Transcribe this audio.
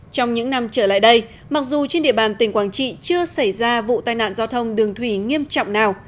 trong những năm trở lại đây mặc dù trên địa bàn tỉnh quảng trị chưa xảy ra vụ tai nạn giao thông đường thủy nghiêm trọng nào